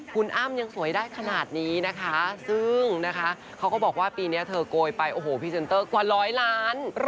คุณอ้ำยังสวยได้ขนาดนี้นะคะซึ่งนะคะเขาก็บอกว่าปีนี้เธอโกยไปโอ้โหพรีเซนเตอร์กว่าร้อยล้าน